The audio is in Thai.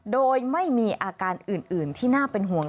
โดยไม่มีอาการอื่นที่น่าเป็นห่วง